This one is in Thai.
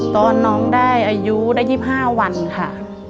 ตอนน้องได้อายุได้๒๕วันค่ะ